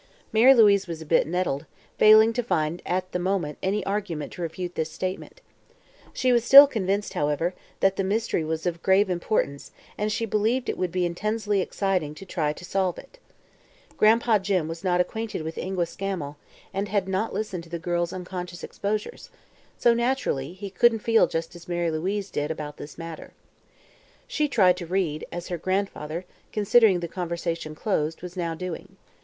Mary Louise was a bit nettled, failing to find at the moment any argument to refute this statement. She was still convinced, however, that the mystery was of grave importance and she believed it would be intensely exciting to try to solve it. Gran'pa Jim was not acquainted with Ingua Scammel and had not listened to the girl's unconscious exposures; so, naturally, he couldn't feel just as Mary Louise did about this matter. She tried to read, as her grandfather, considering the conversation closed, was now doing.